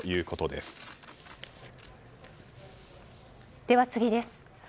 では次です。